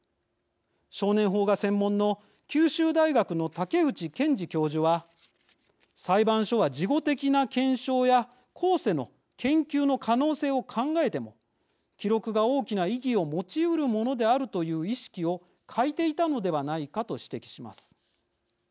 少年法が専門の九州大学の武内謙治教授は「裁判所は事後的な検証や後世の研究の可能性を考えても記録が大きな意義をもちうるものであるという意識を欠いていたのではないか」と指摘します。